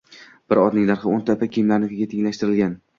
Bir otning narxi oʻnta ipak kiyimliklariga tenglashtirilgan.